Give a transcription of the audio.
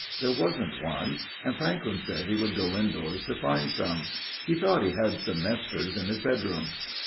There wasn't one : and Franklyn said he would go indoors to find some. He thought he had some Nestors in his bedroom.